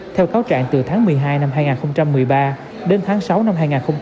theo cáo trạng từ tháng một mươi hai năm hai nghìn một mươi ba đến tháng sáu năm hai nghìn một mươi bảy